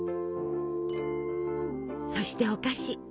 そしてお菓子。